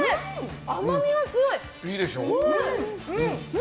甘みが強い。